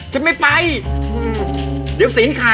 ฉันให้รางวัล